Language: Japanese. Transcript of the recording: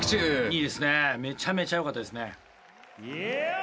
いいですねめちゃめちゃよかったですね。